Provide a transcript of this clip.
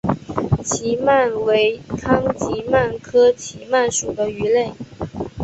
奇鳗为康吉鳗科奇鳗属的鱼类。